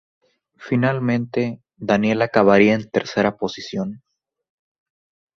Finalmente, Daniela acabaría en tercera posición.